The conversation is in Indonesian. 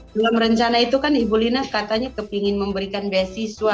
belum rencana itu kan ibu lina katanya ingin memberikan basis